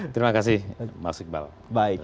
terima kasih maksudnya